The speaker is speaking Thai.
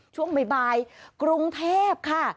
ช่วงบ่ายกรุงเทพค่ะ